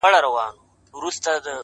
چا چي د دې ياغي انسان په لور قدم ايښی دی-